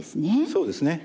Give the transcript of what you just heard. そうですね。